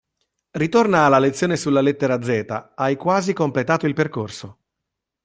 Ritorna alla lezione sulla lettera zeta, hai quasi completato il percorso.